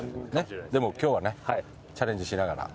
でも今日はねチャレンジしながら。